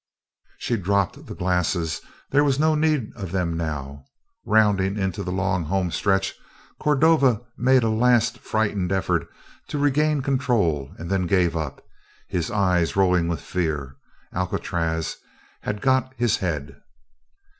She dropped the glasses. There was no need of them now. Rounding into the long home stretch Cordova made a last frightened effort to regain control and then gave up, his eyes rolling with fear; Alcatraz had got his head.